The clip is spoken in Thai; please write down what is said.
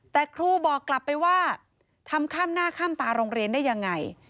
แต่ครูบอกกลับไปว่าทำข้ามหน้าข้ามตาโรงเรียนได้ยังไง